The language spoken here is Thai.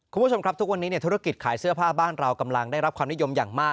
คุณผู้ชมครับทุกวันนี้ธุรกิจขายเสื้อผ้าบ้านเรากำลังได้รับความนิยมอย่างมาก